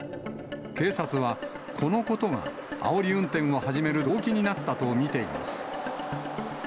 警察は、このことがあおり運転を始める動機になったと見ています。